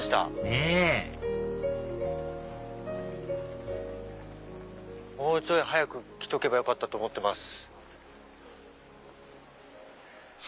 ねぇもうちょい早く来とけばよかったと思ってます。